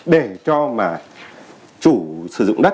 để cho chủ sử dụng đất